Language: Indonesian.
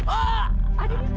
ada di sini